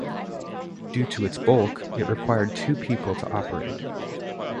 Due to its bulk, it required two people to operate.